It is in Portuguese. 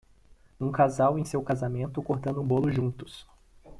Um casal em seu casamento cortando um bolo juntos.